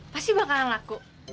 pasti bakalan laku